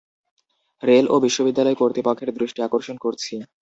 Rail ও বিশ্ববিদ্যালয় কর্তৃপক্ষের দৃষ্টি আকর্ষণ করছি।